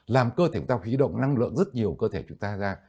làm cơ thể chúng ta khí động năng lượng rất nhiều cơ thể chúng ta ra